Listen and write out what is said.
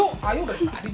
udah tak ada juga